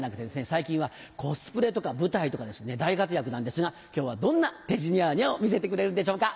最近はコスプレとか舞台とか大活躍なんですが今日はどんな「てじなーにゃ」を見せてくれるんでしょうか。